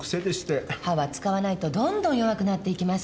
歯は使わないとどんどん弱くなっていきますからね。